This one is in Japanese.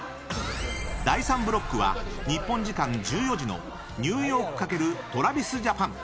第３ブロックは日本時間１４時のニューヨーク×ＴｒａｖｉｓＪａｐａｎ！